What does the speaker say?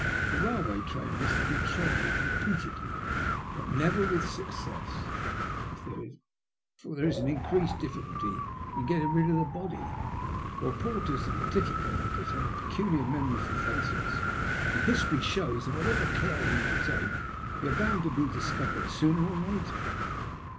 A railway train has been tried repeatedly, but never with suc cess ; for there is an increased difficulty in getting rid of the body, while porters and ticket collectors have a peculiar memory for faces, and history shows that whatever care you may take you are bound to be discovered sooner or later.